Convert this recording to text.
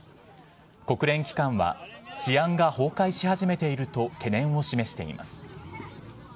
国連機関は、治安が崩壊し始めていると懸念を示しています。